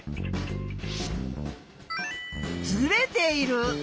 ずれている。